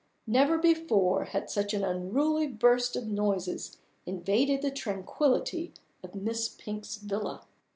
Never before had such an unruly burst of noises invaded the tranquility of Miss Pink's villa!